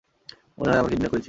মনে হয় আমার কিডনিটা খুইয়েছি।